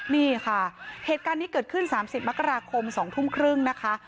นี่ค่ะเหตุการณ์นี้เกิดขึ้น๓๐มกราคม๒ทุ่มครึ่งนะคะ